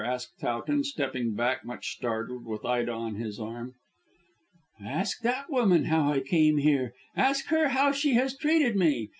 asked Towton, stepping back much startled, with Ida on his arm. "Ask that woman how I came here; ask her how she has treated me.